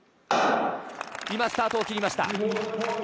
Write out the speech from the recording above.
今スタートを切りました。